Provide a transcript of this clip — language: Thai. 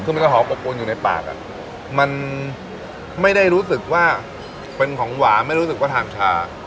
คือมันจะหอมอบอวนอยู่ในปากมันไม่ได้รู้สึกว่าเป็นของหวานไม่รู้สึกว่าทานชา